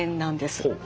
ほう。